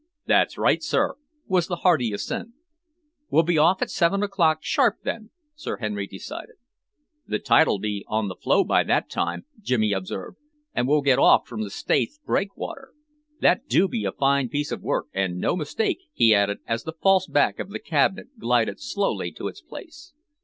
"That's right, sir," was the hearty assent. "We'll be off at seven o'clock sharp, then," Sir Henry decided. "The tide'll be on the flow by that time," Jimmy observed, "and we'll get off from the staith breakwater. That do be a fine piece of work and no mistake," he added, as the false back of the cabinet glided slowly to its place.